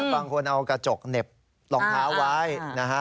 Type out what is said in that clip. บางคนเอากระจกเหน็บรองเท้าไว้นะฮะ